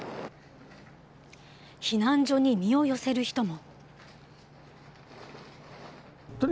避難所に身を寄せる人も。